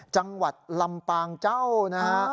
จังหวัดลำปางเจ้านะฮะ